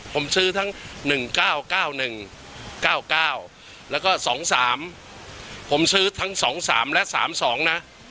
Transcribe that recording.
ผมซื้อทั้ง๑๙๙๑๙๙แล้วก็๒๓ผมซื้อทั้ง๒๓และ๓๒นะ